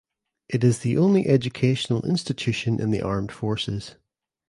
It is the only educational institution in the armed forces.